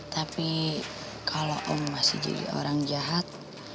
tapi kalau om masih jadi orang jahat